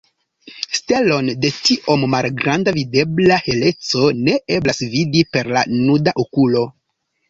Stelon de tiom malgranda videbla heleco ne eblas vidi per la nuda okulo.